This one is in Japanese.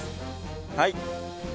はい。